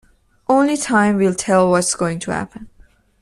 Only time will tell what's going to happen.